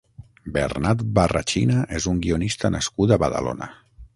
Bernat Barrachina és un guionista nascut a Badalona.